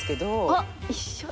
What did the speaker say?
あっ一緒。